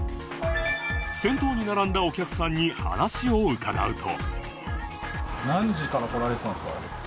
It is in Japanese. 先頭に並んだお客さんに話を伺うと